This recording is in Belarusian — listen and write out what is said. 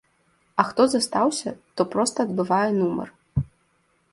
А хто застаўся, то проста адбывае нумар.